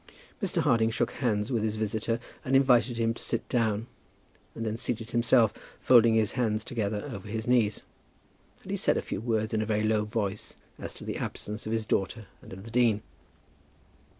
Mr. Harding shook hands with his visitor, and invited him to sit down, and then seated himself, folding his hands together over his knees, and he said a few words in a very low voice as to the absence of his daughter and of the dean.